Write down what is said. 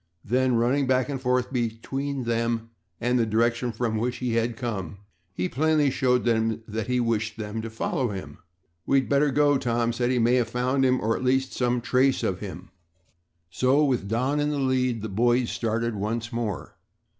Then, running back and forth between them and the direction from which he had come, he plainly showed them that he wished them to follow him. "We'd better go," Tom said. "He may have found him, or at least some trace of him." So, with Don in the lead the boys started once more.